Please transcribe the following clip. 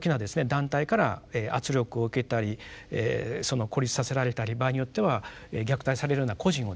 団体から圧力を受けたり孤立させられたり場合によっては虐待されるような個人をですね